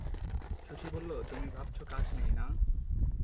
শশী বলিল, তুমি ভাবছ কাজ নেই, না?